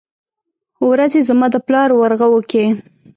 ورځې زما دپلار ورغوو کې